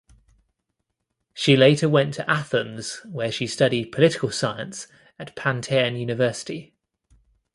She later went to Athens where he studied political science at Panteion University.